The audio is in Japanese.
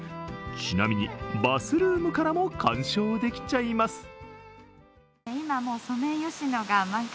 ちなみにバスルームからも観賞できちゃいます。